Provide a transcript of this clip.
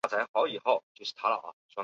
美国有四个县名为伯克县。